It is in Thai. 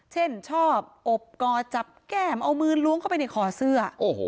เช่นชอบอบกอจับแก้มเอามือล้วงเข้าไปในคอเสื้อ